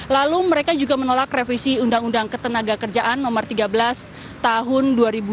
lalu mereka juga menolak revisi undang undang ketenaga kerjaan no tiga belas tahun dua ribu dua puluh